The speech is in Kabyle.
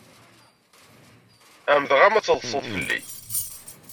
Ɛemmdeɣ-am ad teḍsed fell-i.